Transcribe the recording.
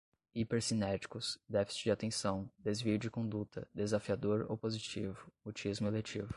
hipercinéticos, déficit de atenção, desvio de conduta, desafiador opositivo, mutismo eletivo